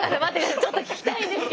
ちょっと聞きたいんですけど。